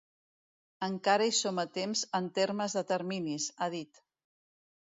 Encara hi som a temps en termes de terminis, ha dit.